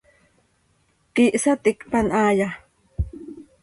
¿Quíih saticpan haaya?